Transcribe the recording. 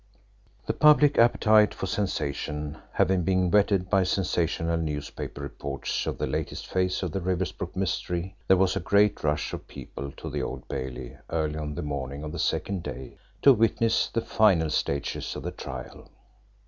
The public appetite for sensation having been whetted by sensational newspaper reports of the latest phase of the Riversbrook mystery, there was a great rush of people to the Old Bailey early on the morning of the second day to witness the final stages of the trial.